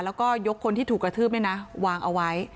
แล้วก็ยกคนที่ถูกกระทืบวางเอาไว้